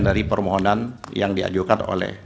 dari permohonan yang diajukan oleh